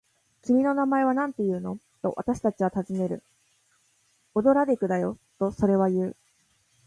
「君の名前はなんていうの？」と、私たちはたずねる。「オドラデクだよ」と、それはいう。